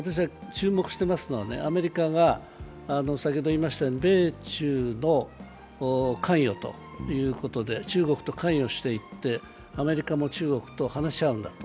私は注目していますのはアメリカが、米中の関与ということで中国と関与していって、アメリカも中国と話し合うんだと。